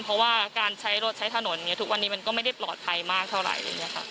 เพราะว่าการใช้รถใช้ถนนทุกวันนี้มันก็ไม่ได้ปลอดภัยมากเท่าไหร่อะไรอย่างนี้ค่ะ